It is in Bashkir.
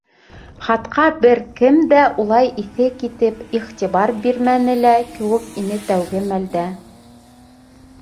Хатҡа бер кем дә улай иҫе китеп иғтибар бирмәне лә кеүек ине тәүге мәлдә.